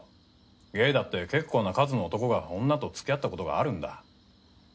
ゲイだって結構な数の男が女と付き合ったことがあるんだ。